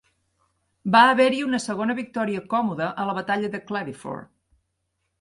Va haver-hi una segona victòria còmoda a la batalla de Cladyford.